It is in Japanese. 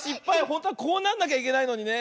ほんとはこうなんなきゃいけないのにね。